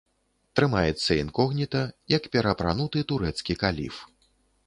Трымаецца інкогніта, як пераапрануты турэцкі каліф.